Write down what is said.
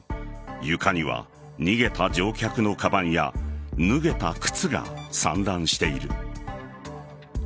床には逃げた乗客のかばんや脱げた靴が散乱している。